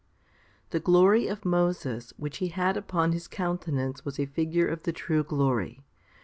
1. THE glory of Moses which he had upon his coun tenance was a figure of the true glory.